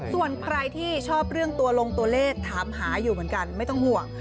ส่วนใครที่ชอบเรื่องตัวลงตัวเลขถามหาอยู่เหมือนกันไม่ต้องห่วง